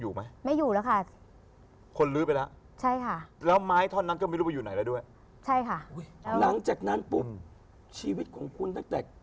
คุณมาแล้วคุณมาแล้วคุณมาแล้วคุณมาแล้วคุณนะเหรอ